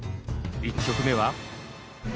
１曲目は。